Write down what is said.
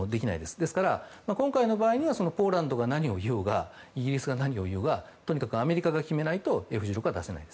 ですから、今回の場合にはポーランドが何を言おうがイギリスが何を言おうがとにかくアメリカが決めないとＦ１６は出せません。